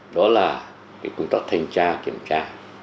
đó là chúng ta thanh tra kiểm tra